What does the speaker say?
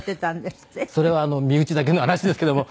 それは身内だけの話ですけども。